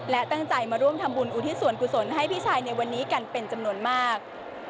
และตั้งใจมาร่วมทำบุญอุทิศส่วนกุศลให้พี่ชายในวันนี้กันเป็นจำนวนมาก